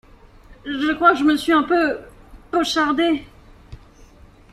Je crois que je me suis un peu… pochardé !…